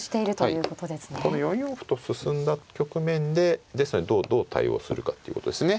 この４四歩と進んだ局面でどう対応するかっていうことですね。